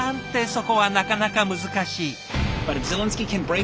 そこはなかなか難しい。